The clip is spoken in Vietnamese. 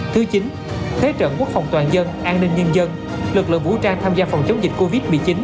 thứ chín thế trận quốc phòng toàn dân an ninh nhân dân lực lượng vũ trang tham gia phòng chống dịch covid một mươi chín